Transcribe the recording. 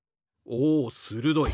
おするどい。